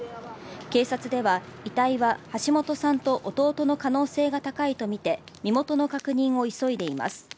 警察では、遺体は橋本さんと弟の可能性が高いとみて身元の確認を急いでいます。